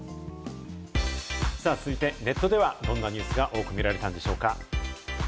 続いてネットではどんなニュースが多く見られたのでしょうか？